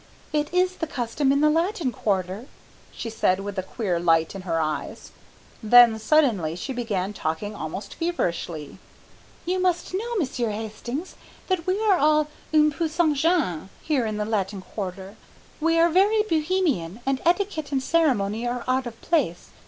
"It is the custom in the Latin Quarter," she said with a queer light in her eyes. Then suddenly she began talking almost feverishly. "You must know, Monsieur Hastings, that we are all un peu sans gêne here in the Latin Quarter. We are very Bohemian, and etiquette and ceremony are out of place.